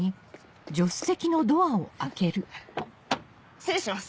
失礼します。